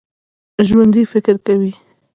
ژوندي فکر کوي